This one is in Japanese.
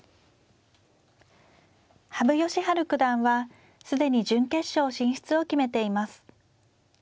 羽生善治九段は既に準決勝進出を決めています。